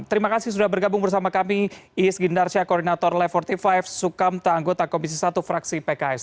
terima kasih sudah bergabung bersama kami iis gindarsya koordinator le empat puluh lima sukamta anggota komisi satu fraksi pks